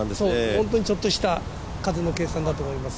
本当にちょっとした風の計算だと思います